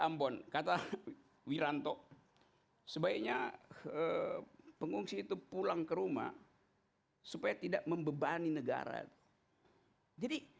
ambon kata wiranto sebaiknya pengungsi itu pulang ke rumah supaya tidak membebani negara jadi